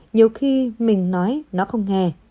nhiều khi mình nói nó không nghe